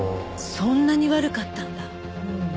そんなに悪かったんだ。